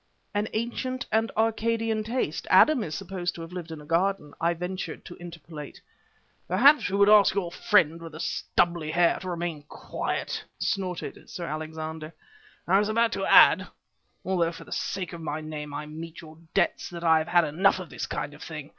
"An ancient and Arcadian taste. Adam is supposed to have lived in a garden," I ventured to interpolate. "Perhaps you would ask your friend with the stubbly hair to remain quiet," snorted Sir Alexander. "I was about to add, although for the sake of my name I meet your debts, that I have had enough of this kind of thing.